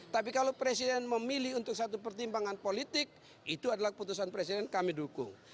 tapi kalau presiden memilih untuk satu pertimbangan politik itu adalah keputusan presiden kami dukung